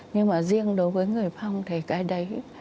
nhưng mà riêng đối với người phong thì cái đấy